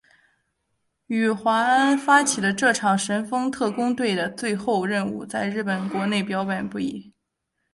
宇垣发起的这场神风特攻队的最后任务在日本国内褒贬不一。